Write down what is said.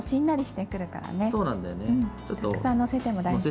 たくさん載せても大丈夫。